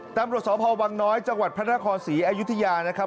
ตำรวจสพวังน้อยจังหวัดพระนครศรีอยุธยานะครับ